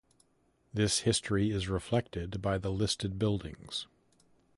This history is reflected by the listed buildings.